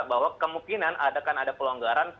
bahwa kemungkinan adakan ada pelonggarkan